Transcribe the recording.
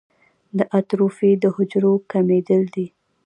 د اټروفي د حجرو کمېدل دي.